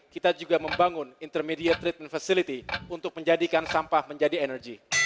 kita juga membangun intermediate treatment facility untuk menjadikan sampah menjadi energi